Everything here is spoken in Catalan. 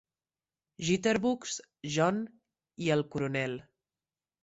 Jitterbugs JOHN i el CORONEL.